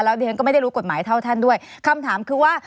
ดิฉันก็ไม่ได้รู้กฎหมายเท่าท่านด้วยคำถามคือว่า